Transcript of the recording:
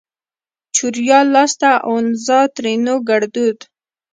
چوریا لاسته اونزنا؛ ترينو ګړدود